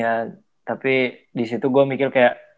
ya tapi disitu gue mikir kayak